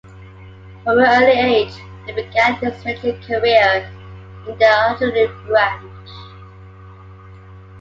From an early age he began his military career in the artillery branch.